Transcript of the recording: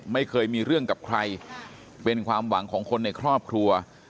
ไม่เคยมีเรื่องกับใครเป็นความหวังของคนในครอบครัว